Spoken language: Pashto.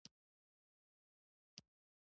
هغه پۀ هر کار کې اول د بل ضرورت ته ګوري -